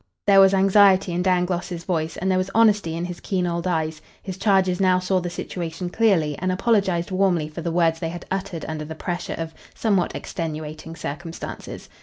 There was anxiety in Dangloss's voice and there was honesty in his keen old eyes. His charges now saw the situation clearly and apologized warmly for the words they had uttered under the pressure of somewhat extenuating circumstances.